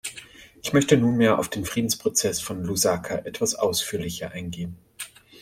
Ich möchte nunmehr auf den Friedensprozess von Lusaka etwas ausführlicher eingehen.